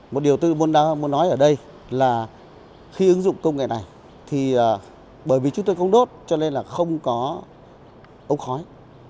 một điều tôi muốn nói ở đây là khi ứng dụng công nghệ này thì bởi vì chúng tôi không đốt cho nên là không có ống khói